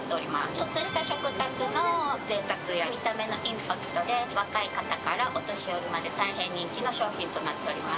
ちょっとした食卓のぜいたくや見た目のインパクトで、若い方からお年寄りまで、大変人気の商品となっております。